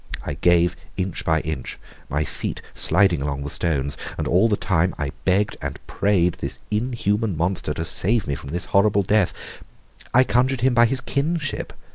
I gave inch by inch, my feet sliding along the stones, and all the time I begged and prayed this inhuman monster to save me from this horrible death. I conjured him by his kinship.